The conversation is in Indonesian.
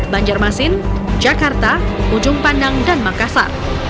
banjarmasin jakarta ujung pandang dan makassar